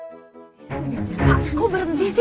pak kok berhenti sih